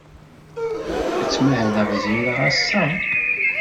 Ad tmahel Zira ass-a?